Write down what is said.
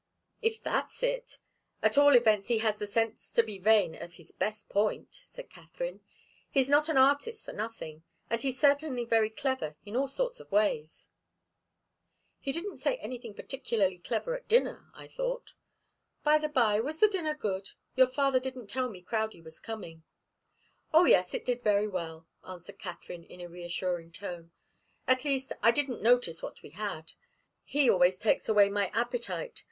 "If that's it, at all events he has the sense to be vain of his best point," said Katharine. "He's not an artist for nothing. And he's certainly very clever in all sorts of ways." "He didn't say anything particularly clever at dinner, I thought. By the bye, was the dinner good? Your father didn't tell me Crowdie was coming." "Oh, yes; it did very well," answered Katharine, in a reassuring tone. "At least, I didn't notice what we had. He always takes away my appetite.